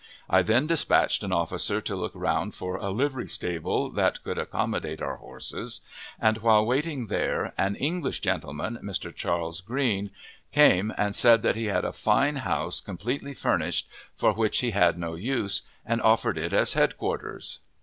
I then dispatched an officer to look around for a livery stable that could accommodate our horses, and, while waiting there, an English gentleman, Mr. Charles Green, came and said that he had a fine house completely furnished, for which he had no use, and offered it as headquarters.